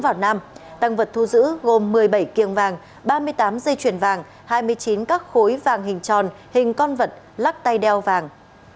và nam tăng vật thu giữ gồm một mươi bảy kiềng vàng ba mươi tám dây chuyền vàng hai mươi chín các khối vàng hình tròn hình con vật lắc tay đeo vàng